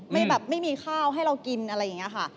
แบบไม่มีข้าวให้เรากินอะไรอย่างนี้ค่ะ